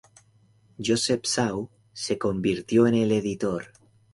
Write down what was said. Joseph Shaw se convirtió en el editor.